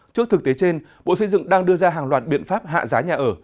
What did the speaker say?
trước thực tế trên bộ xây dựng đang đưa ra hàng loạt biện pháp hạ giá nhà ở